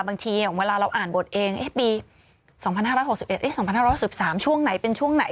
บางทีอย่างเวลาเราอ่านบทเองปี๒๕๖๑๒๕๖๓ช่วงไหนเป็นช่วงไหน